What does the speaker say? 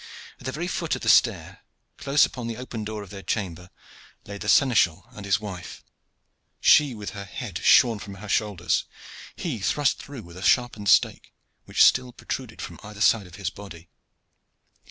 At the very foot of the stair, close to the open door of their chamber, lay the seneschal and his wife: she with her head shorn from her shoulders, he thrust through with a sharpened stake, which still protruded from either side of his body.